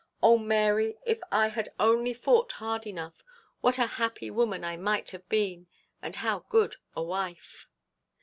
Oh, Mary, if I had only fought hard enough, what a happy woman I might have been, and how good a wife.'